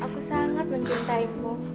aku sangat mencintaimu